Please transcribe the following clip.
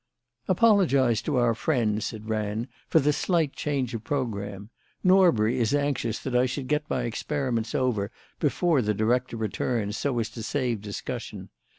"Apologise to our friends," it ran, "for the slight change of programme. Norbury is anxious that I should get my experiments over before the Director returns, so as to save discussion.